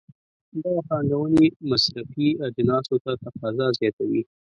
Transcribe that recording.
دغه پانګونې مصرفي اجناسو ته تقاضا زیاتوي.